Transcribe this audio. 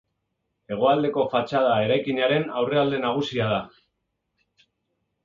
Hegoaldeko fatxada eraikinaren aurrealde nagusia da.